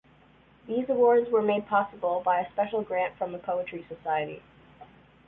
These awards were made possible by a special grant from The Poetry Society.